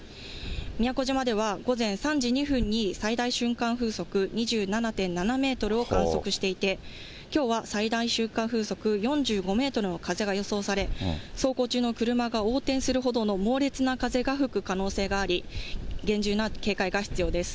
宮古島では午前３時２分に最大瞬間風速２７．７メートルを観測していて、きょうは最大瞬間風速４５メートルの風が予想され、走行中の車が横転するほどの猛烈な風が吹く可能性があり、厳重な警戒が必要です。